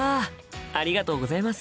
ありがとうございます。